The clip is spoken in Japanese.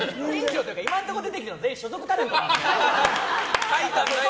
今のところ出てきてる人全員所属タレントなんですよ。